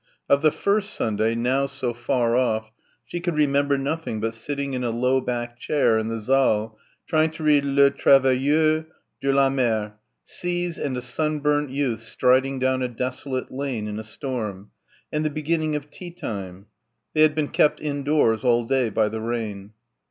Of the first Sunday, now so far off, she could remember nothing but sitting in a low backed chair in the saal trying to read "Les Travailleurs de la Mer" ... seas ... and a sunburnt youth striding down a desolate lane in a storm ... and the beginning of tea time. They had been kept indoors all day by the rain.